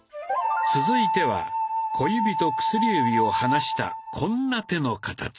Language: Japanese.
続いては小指と薬指を離したこんな手の形。